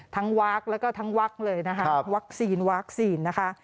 วักแล้วก็ทั้งวักเลยนะคะวัคซีนวัคซีนนะคะ